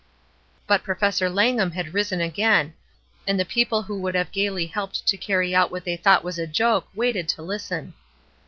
But Professor Langham had risen again, and the people who would have gayly helped to carry out what they thought was a joke waited to listen.